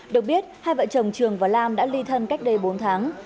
được biết hai vợ chồng trường và lam đã ly thân cách đây bốn tháng